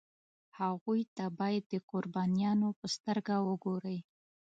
هغوی ته باید د قربانیانو په سترګه وګوري.